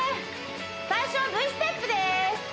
最初はＶステップです